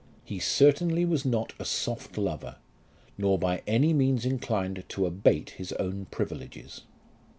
He certainly was not a soft lover, nor by any means inclined to abate his own privileges.